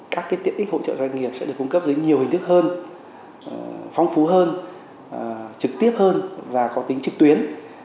các tiện ích hỗ trợ doanh nghiệp sẽ được cung cấp dưới nhiều hình thức hơn phong phú hơn trực tiếp hơn và có tính trực tuyến